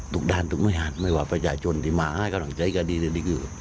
ทุกด้านทุกน้วยหานไม่ว่าประจำชนที่มาให้ก็หลังใจการดีแล้วยดีก็คือ